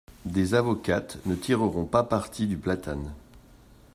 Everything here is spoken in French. Des avocates ne tireront pas parti du platane.